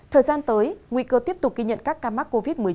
thời gian tới nguy cơ tiếp tục ghi nhận các ca mắc covid một mươi chín